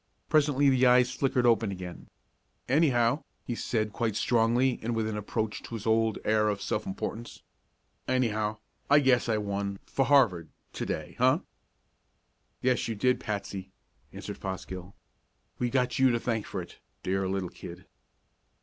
Presently the eyes flickered open again. "Anyhow," he said quite strongly and with an approach to his old air of self importance, "anyhow I guess I won for Harvard to day. Huh?" "Yes, you did, Patsy," answered Fosgill. "We've got you to thank for it, dear little kid."